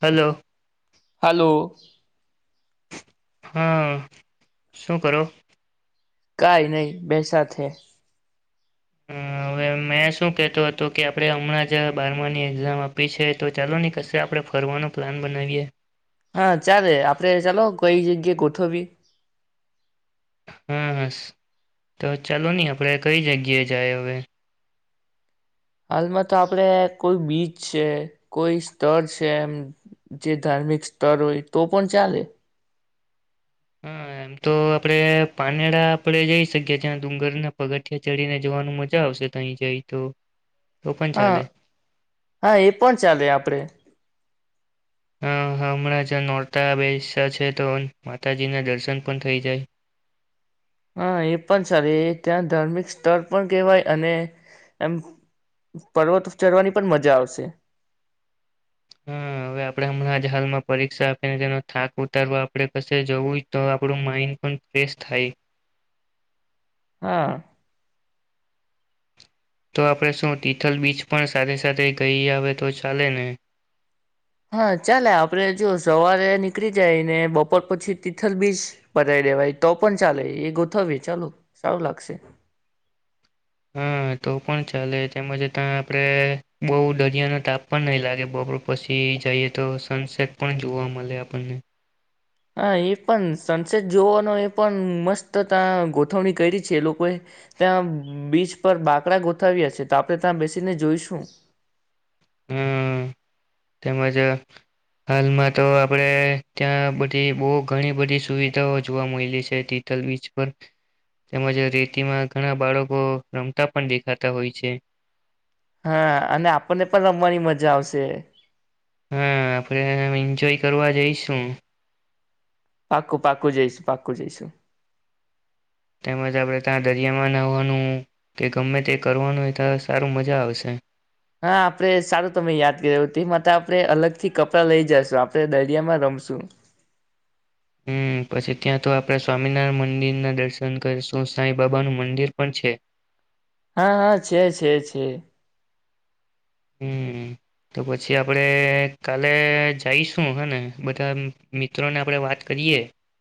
Hello. Hello. હા, શું કરો? કાઈ નહીં બેયસા છે. હમ્મ, હવે મેં શું કહેતો હતો કે આપણે હમણાં જ બારમાની એક્ઝામ આપી છે તો ચાલો ની કશે આપણે ફરવાનો પ્લાન બનાવીએ. હા ચાલે, આપડે ચાલો કઈ જગ્યા ગોઠવીએ. હમ્મ, તો ચાલો ની આપણે કઈ જગ્યાએ જાયે હવે? હાલમાં તો આપડે કોઈ બીચ છે, કોઈ સ્થળ છે એમ જે ધાર્મિક સ્તર હોય તો પણ ચાલે. હા એમ તો આપડે પારનેરા આપડે જઈ શકીએ ત્યાં ડુંગરના પગથિયા ચડીને જવાનું મજા આવશે તહી જઈ તો તો પણ હા ચાલે હા એ પણ ચાલે આપડે હમ્મ, હમણાં જ્યા નોરતા બેઈસા છે તો માતાજીના દર્શન પણ થઈ જાય. હા, એ પણ સારી એ ત્યાં ધાર્મિક સ્થળ પણ કહેવાય અને એમ પર્વત ચઢવાની પણ મજા આવશે. હા હવે આપણેે હમણાં જ હાલમાં પરીક્ષા આપીને તેનો થાક ઉતારવા આપણે કશે જવું તો આપણું માઈન્ડ પણ ફ્રેશ થાય. હા. તો આપણે શું તિથલ બીચ પણ સાથે સાથે ગઈ આવે તો ચાલે ને? હા ચાલે આપણેે જો સવારે નીકળી જાયને બપોર પછી તિથલ બીજ પતાઈ દેવાય તો પણ ચાલે એ ગોથવીએ ચાલો સારું લાગશે. હા તો પણ ચાલે તેમજ ત્યાં આપણેે બહુ દરિયાનો તાપ પણ નહીં લાગે બપોર પછી જઈએ તો સનસેટ પણ જોવા મલે આપણને. હા, એ પણ સનસેટ જોવાનો એ પણ મસ્ત ત્યાં ગોઠવણી કરી છે એ લોકોએ ત્યાં બીચ પર બાકડા ગોઠવ્યા છે તો આપણે ત્યાં બેસીને જોઈશું. હમ્મ, તેમજ હાલમાં તો આપણેે ત્યાં બધી બોવ ઘણી બધી સુવિધાઓ જોવા મયલી છે તીથલ બીચ પર તેમજ રેતીમાં ઘણા બાળકો રમતા પણ દેખાતા હોય છે. હા અને આપણને પણ રમવાની મજા આવશે. હા, આપણેે એન્જોય કરવા જઈશું. પાકું-પાકું જઈશું પાકું જઈશું. તેમજ આપણે તા દરિયામાં નાહવાનું કે ગમે તે કરવાનું હોય તો સારું મજા આવશે. હા આપણે સારું તમે યાદ કરાવ્યું તે માટે આપણે અલગ થી કપડાં લઈ જાશું આપણેે દરિયામાં રમશું. હમ્મ, પછી ત્યાં તો આપણા સ્વામિનારાયણ મંદિરના દર્શન કરીશું, સાંઈ બાબાનું મંદિર પણ છે. હા હા છે છે છે. હમ્મ, તો પછી આપડે કાલે જઈશું હને બધા મિત્રોને આપણે વાત કરીએ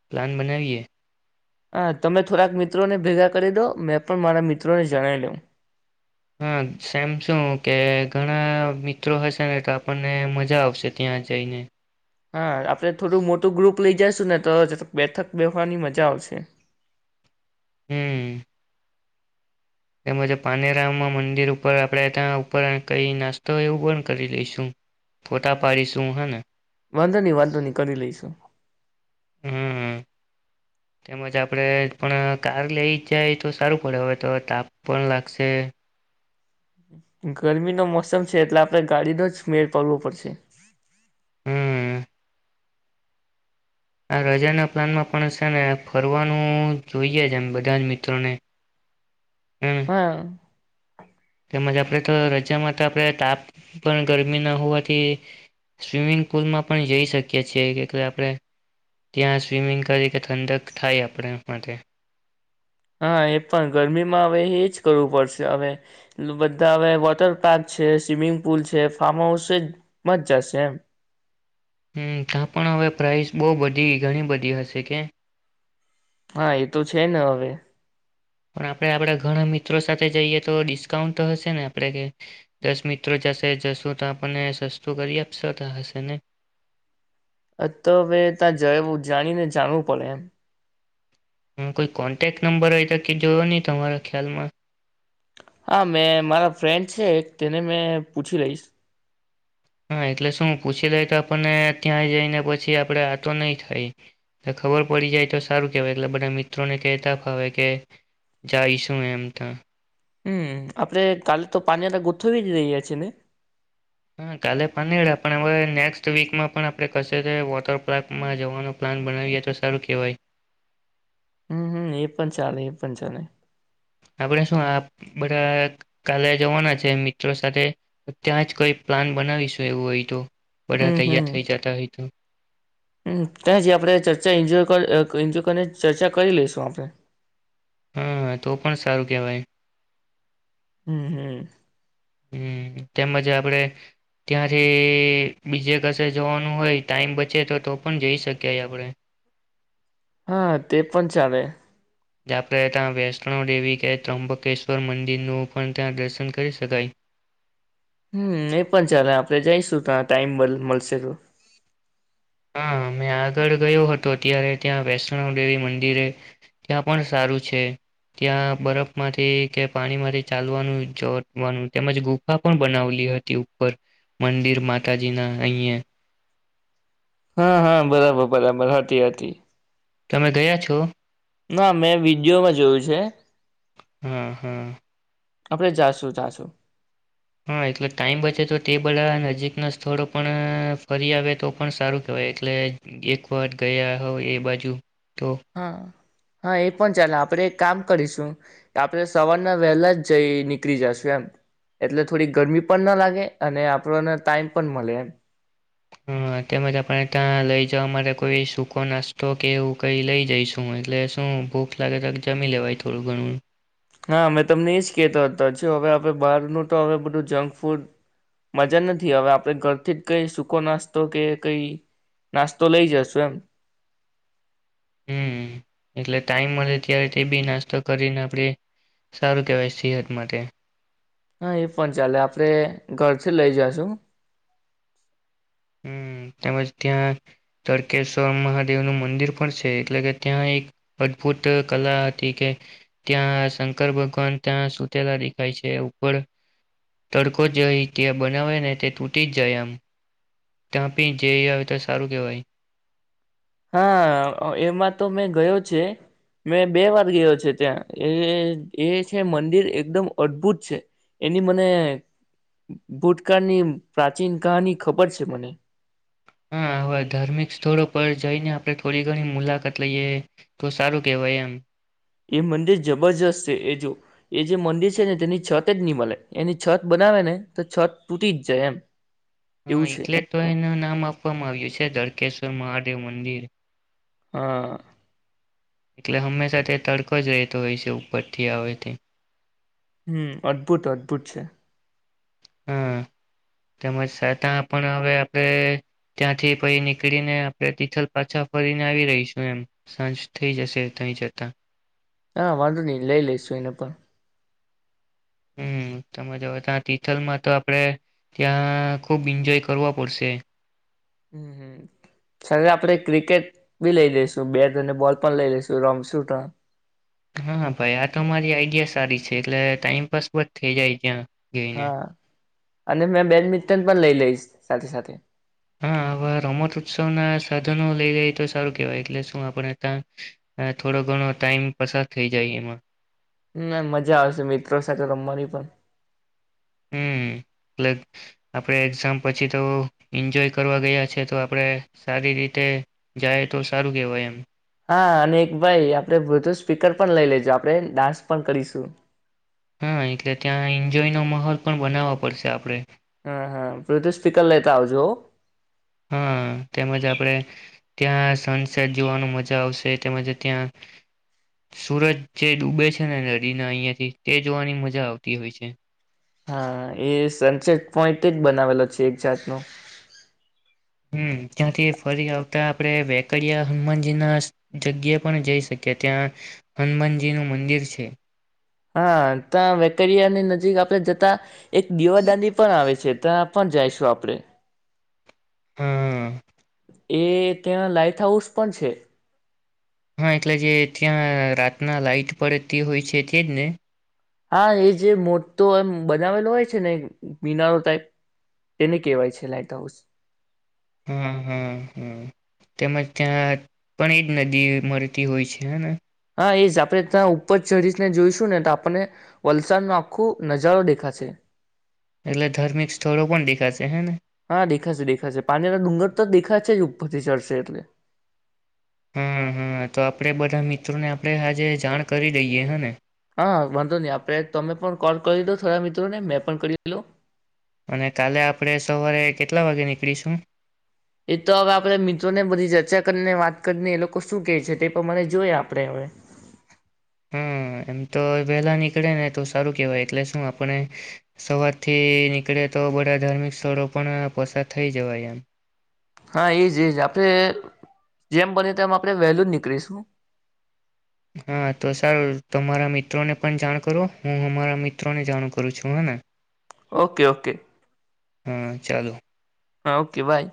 પ્લાન બનાવીએ. હા તમે થોડાક મિત્રોને ભેગા કરી દો મેં પણ મારા મિત્રોને જણાઈ લઉં. હા સેમ શું કે ઘણા મિત્રો હશે ને તો આપણને મજા આવશે ત્યાં જઈને. હા આપડે થોડું મોટું ગ્રુપ લઇ જાશું ને તો જ બેઠક બેહવાની મજા આવશે. હમ તેમજ પાનેરામ મંદિર ઉપર આપણે ત્યાં ઉપર કઈ નાસ્તો એવું પણ કરી લઈશું ફોટા પાડીશું હાને વાંધો નહી વાંધો નહી કરી લઈશું હમ તેમજ આપડે પણ કાર લઈ જાય તો સારું પડે હવે તો તાપ પણ લાગશે ગરમીનો મોસમ છે એટલે આપડે ગાડીનો જ મેળ પડવો પડશે હમ આ રજાના પ્લાનમાં પણ હશે ને ફરવાનું જોઈએ જ એમ બધા જ મિત્રોને હમ હા તેમજ આપણે તો રજા માં તો આપણે તાપ પણ ગરમીના હોવાથી સ્વિમિંગ પુલમાં પણ જઈ શકીએ છીએ કે આપણે ત્યાં સ્વિમિંગ કરી કે ઠંડક થાય આપણે માટે હા એ પણ ગરમીમાં હવે એ જ કરવું પડશે હવે બધા હવે વોટર પાર્ક છે સ્વિમિંગ પુલ છે ફાર્મ હાઉસ છે એમાં જ જશે એમ હમ ત્યાં પણ હવે પ્રાઇસ બહુ બધી ઘણી બધી હશે કે હા એ તો છે ને હવે પણ આપણે આપડા ઘણા મિત્રો સાથે જઈએ તો ડિસ્કાઉન્ટ તો હશે ને આપણે કે દસ મિત્રો જશે જશું તો આપણને સસ્તું કરી આપશે તો હશે ને અ તો હવે ત્યાં જય જાણી ને જાણવું પડે એમ હું કોઈ કોન્ટેક નંબર હોય તો કેજો હો ને તમારા ખ્યાલમાં હા મેં મારા ફ્રેન્ડ છે તેને મેં પૂછી લઈશ હા એટલે શું પૂછી લે તો આપણને ત્યાં જઈને પછી આપડે આટો નહી થાય ખબર પડી જાય તો સારું કેવાય એટલે બધા મિત્રોને કહેતા ફાવે કે જાય શું એમ તો હમ આપડે કાલે તો [unintelligible] ગોઠવી જ રહ્યા છી ને હા કાલે પાનીયાળા પણ હવે નેક્સ્ટ વીકમાં પણ આપણે કશે વોટર પાર્કમાં જવાનું પ્લાન બનાવીએ તો સારું કેહેવાય હમ હમ એ પણ ચાલે એ પણ ચાલે આપણે શું આપ બધા કાલે જવાના છે મિત્રો સાથે ત્યાં જ કોઈ પ્લાન બનાવીશું એવું હોય તો બધા હમ તૈયાર હમ થઇ જતા હોય તો હમ ત્યાં જ આપણે ચર્ચા એન્જોય એન્જોય કરી ચર્ચા કરી લઈશું આપણે હા તો પણ સારું કહેવાય હમ હમ હમ તેમજ આપડે ત્યાંથી બીજે કસે જવાનું હોય ટાઈમ બચે તો તો પણ જઈ શકી આપડે હા તે પણ ચાલે ત્યાં આપડે તાં વૈષ્ણવ દેવી કે ત્રમ્બકેશ્વર મંદિરનું પણ ત્યાં દર્શન કરી શકાય હમ એ પણ ચાલે આપણે જઈશું તો આ ટાઈમ મલ મળશે તો હા મેં આગળ ગયો હતો ત્યારે ત્યાં વૈષ્ણવ દેવી મંદિરે ત્યાં પણ સારું છે ત્યાં બરફમાંથી કે પાણીમાંથી ચાલવાનું જોડવાનું તેમજ ગુફા પણ બનાવલી હતી ઉપર મંદિર માતાજીના અહી હા હા બરાબર બરાબર હતી હતી હતી તમે ગયા છો ના મેં વિડીયોમાં જોયું છે હમ હમ આપણેે જાશું જાશું. હા એટલે ટાઈમ બચે તો તે બધા નજીકના સ્થળો પણ ફરી આવે તો પણ સારું કેહેવાય એટલે એક વાત ગયા હો એ બાજુ તો હા. હા એ પણ ચાલે આપણે એક કામ કરીશું આપણે સવારના વહેલા જ જઈ નીકળી જશું. એમ એટલે થોડી ગરમી પણ ના લાગે અને આપણને ટાઈમ પણ મળે એમ. હ તેમજ આપને ત્યાં લઈ જવા માટે કોઈ સૂકો નાસ્તો કે એવુ કઈ લઈ જઈશું એટલે શું ભૂખ લાગે તો જમી લેવાય થોડું ઘણું. હા મેં તમને એજ કહેતા હતા હવે આપણે બહારનું તો હવે બધું જંક ફૂડ મજા નથી આવે. હવે આપણે ઘરથી જ કઈ સૂકો નાસ્તો કે કઈ નાસ્તો લઈ જશુ એમ. હમ એટલે ટાઈમ મળે ત્યારે તે બી નાસ્તો કરીને આપડે સારું કેહેવાય સેહત માટે. હા એ પણ ચાલે. આપડે ઘર થી લઈ જાશુ. હ તેમજ ત્યાં તડકેશ્વર મહાદેવ નું મંદિર પણ છે. એટલે કે ત્યાં એક અદભુત કલા હતી કે ત્યાં શંકર ભગવાન ત્યાં સુતેલા દેખાય છે ઉપર તડકો જે ત્યા બનાવે ને તે તૂટી જ જાય આમ. ત્યાં પી જઈ આવે તો સારું કહેવાય. હા એમાં તો મેં ગયો છે. મેં બે વાર ગયો છે, ત્યાં એ એ છે મંદિર એકદમ અદભુત છે એની મને ભૂતકાળની પ્રાચીન કહાની ખબર છે મને. હા હવે ધાર્મિક સ્થળો પર જઈને આપણે થોડી ઘણી મુલાકાત લઈએ તો સારું કેહેવાય એમ. એ મંદિર જબરજસ્ત છે. એ જો એ જે મંદિર છે ને તેની છત જ ની મળે. એની છત બનાવે ને તો છત તૂટી જ જાય એમ. એવું હા છે એટલે તો એનું નામ આપવામાં આવ્યું છે ધળકેશ્વર મહા દેવ મંદિર. હા. એટલે હંમેશા તે તડકો જ રહેતો હોય છે. ઉપરથી આવે તે. હમ્મ અદ્ભુત અદ્ભુત છે. હા તેમજ સતા પણ હવે આપણે ત્યાંથી પઈ નીકળીને આપણે તિથલ પાછા ફરીને આવી રહીશું એમ સાંજ થઈ જશે થઈ જતા. હા વાંધો નહી લઈ લઈશું એને પણ. હમ્મ તમે તો હવે ત્યાં તિથલમાં તો આપણેે ત્યાં ખુબ એન્જોય કરવો પડશે. હમમમ હમ્મ આપણે ક્રિકેટ બી લઈ લઈશું બેટ અને બોલ પણ લઈ લઈસું રમશું તો હા ભાઈ આ તો મારી આઈડિયા સારી છે. એટલે ટાઈઇમપાસ બ જ થઇ જાય ત્યાં. ગઈને. હા અને મેં બેડમિન્ટન પણ લઈ લઈશ સાથે સાથે. હા આવા રમત ઉત્સવ ના સાધનો લઈ લઈ તો સારું કેવાય એટલે શું આપણે ત્યાં થોડો ઘણો ટાઈમ પસાર થઈ જાય એમાં. હમ્મ આમ મજા આવેશે મિત્રો સાથે રમવાની પણ. હમમમ પ્લેટ આપડે એક્ઝામ પછી તો એન્જોય કરવા ગયા છે તો આપડે સારી રીતે જાય તો સારું કેવાય એમ. હા અને ભાઈ આપડે બધું સ્પીકર પણ લઈ લેજો આપણે ડાન્સ પણ કરીશું હા એટલે ત્યાં એન્જોય નો માહોલ પણ બનાવવા પડશે આપડે. હમ હા [unintelligible] સ્પીકર લેતા આવજો. હા તેમજ આપણેે ત્યાં સનસેટ જોવાનું મજા આવશે તેમજ ત્યાં સુરજ જે ડૂબે છે નદીના અહિયાંથી તે જોવાની મજા આવતી હોય છે. હા એ સનસેટ પોઈન્ટ જ બનાવેલો છે એક જાતનો. હનમ ત્યાંથી ફરી આવતા આપણે વેકડીિયા હનુમાનજી ના જગ્યા પણ જઈ શકીએ. ત્યાં હનુમાનજી નું મંદિર છે. હા ત્યા વેકરિયા ની નજીક આપણે જતા. એક દીવાદાડી પણ આવે છે ત્યા પણ જઈશું આપણેે. હા. એ ત્યાં લાાઈટ હાઉસ પણ છે. હા એટલે જે ત્યાં રાતના લાઈટ પડતી તે હોય છે તેજ ને? હા એ જે મોટો એમ બનાવેલો હોય છે ને મિનારો ટાઈપ તેને કેહેવાય છે લાાઈટ હાઉસ. હમમમ હમ્મ હમ્મ તેમજ ત્યાં પણ એ જ નદી મળતી હોય છે હને. હા એ જ આપડે ત્યાં ઉપર ચઢશને જોઈશું ને તો આપણને વલસાડ નો આખો નજારો દેખાશે. એટલે ધાર્મિક સ્થળો પણ દેખાશે હેને હા દેખાશે દેખાશે પાણીના ડુંગર તો દેખાશે. પછી ચડશે એટલે. હા હા તો આપડે બધા મિત્રોને આપણે આજે જાણ કરી દઈએ હે ને હા વાંધો નહી આપડે તમે પણ કોલ કરી લો થોડા મિત્રોને મેં પણ કરીે લો અને કાલે આપણેે સવારે કેટલા વાગે નીકળીશું એ તો હવે આપણે મિત્રો ને બધી ચર્ચા કરીને વાત કરીને એ લોકો શું કેહે છે તે પણ મને જોય આપણે હવે હમ્મ એમ તો વહેલા નીકળે ને તો સારું કેહેવાય એટલે શું આપણે સવાર થી નીકળે તો બધા ધાર્મિક સ્થળો પણ પસાર થઈ જવાય એમ હા એજ એજ આપણેે જેમ બની તેમ આપણે વેલું જ નીકળીશું હા તો સર તમારા મિત્રોને પણ જાણ કરો હું અમારા મિત્રોને જાણ કરું છું હેને ઓકે ઓકે હા ચાલો હા ઓકે બાય